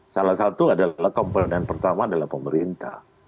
salah satu adalah komponen pertama adalah pemerintah